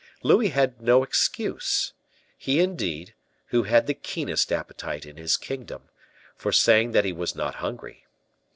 Louis had no excuse he, indeed, who had the keenest appetite in his kingdom for saying that he was not hungry.